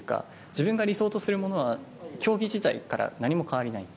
自分が理想とするものは競技時代から何も変わりない。